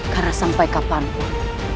karena sampai kapanpun